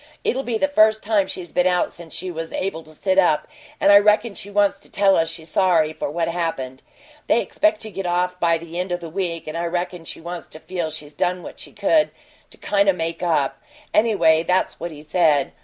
It'll be the first time she's been out since she was able to sit up and I reckon she wants to tell us she's sorry for what happened. They expect to get off by the end o' the week, and I reckon she wants to feel she's done what she could to kind o' make up. Anyway, that's what he said.